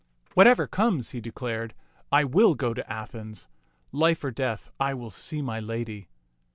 Whatever comes," he declared, "I will go to Athens. Life or death, I will see my lady."